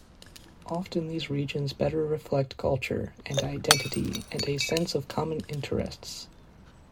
Often these regions better reflect culture and identity and a sense of common interests.